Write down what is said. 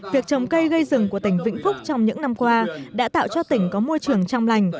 việc trồng cây gây rừng của tỉnh vĩnh phúc trong những năm qua đã tạo cho tỉnh có môi trường trong lành